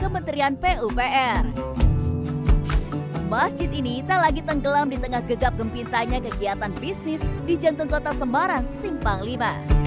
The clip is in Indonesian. masjid ini tak lagi tenggelam di tengah gegap gempitanya kegiatan bisnis di jantung kota semarang simpang v